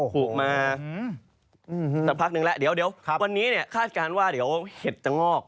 ผูกมาสักพักนึงแล้วเดี๋ยววันนี้เนี่ยคาดการณ์ว่าเดี๋ยวเห็ดจะงอก